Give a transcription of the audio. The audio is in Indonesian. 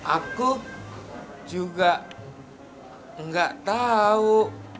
aku juga enggak tau